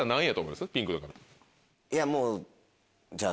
いやもうじゃあ。